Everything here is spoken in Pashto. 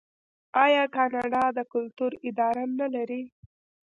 آیا کاناډا د کلتور اداره نلري؟